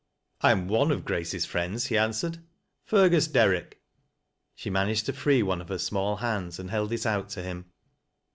" I am one of Grace's friends," he answered, " Fergw Derrick." She managed to free one of her small hands, and held it out to him.